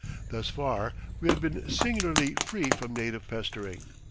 Thus far we had been singularly free from native pestering.